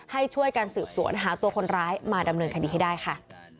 ให้ช่วยกันสืบสวนหาตัวคนร้ายมาดำเนินคดีให้ได้ค่ะ